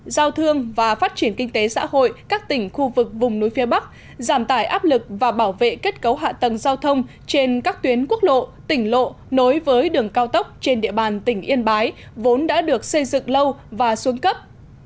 giao thương và phát triển kinh tế xã hội các tỉnh khu vực vùng núi phía bắc giảm tải áp lực và bảo vệ kết cấu hạ tầng giao thông trên các tuyến quốc lộ tỉnh lộ nối với đường cao tốc trên địa bàn tỉnh yên bái vốn đã được xây dựng lâu và xuống cấp